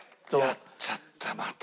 やっちゃったまた。